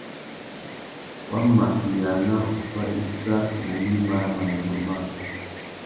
Wa mà yāna uffá issa nà gnima râ manônōh măh.